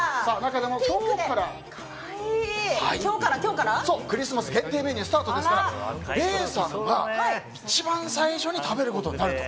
今日からクリスマス限定メニュースタートですから礼さんが一番最初に食べることになると。